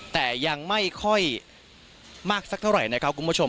แต่ยังไม่ค่อยมากสักเท่าไหร่นะครับคุณผู้ชม